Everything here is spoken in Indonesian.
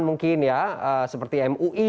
mungkin ya seperti mui